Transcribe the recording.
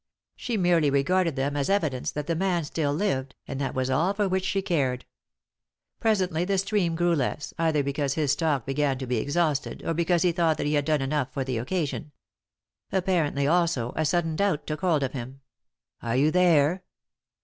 She merely regarded them as evidence that the man still lived, and that was all for which she cared. Presently the stream grew less, either because his stock began to be exhausted, or because he thought that he had done enough for the occasion Apparently, also, a sudden doubt took hold of him. " Are you there